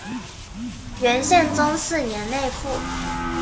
元宪宗四年内附。